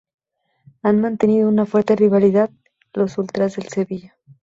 Han mantenido una fuerte rivalidad con los ultras del Sevilla.